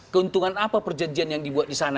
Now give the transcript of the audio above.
keuntungan apa perjanjian yang dibuat di sana